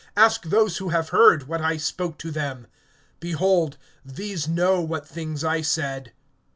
Ask those who have heard, what I spoke to them. Behold, these know what things I said.